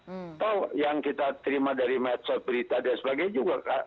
atau yang kita terima dari medsos berita dan sebagainya juga